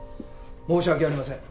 申し訳ありません。